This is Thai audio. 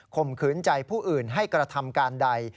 มขืนใจผู้อื่นให้กระทำการใด